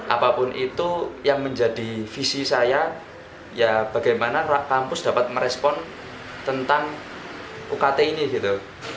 apapun itu yang menjadi visi saya ya bagaimana kampus dapat merespon tentang ukt ini gitu